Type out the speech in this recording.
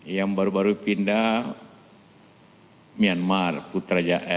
yang baru baru pindah myanmar putrajaya eh nipitau